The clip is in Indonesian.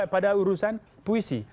pada urusan puisi